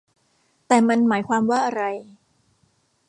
แต่มันหมายความว่าอะไร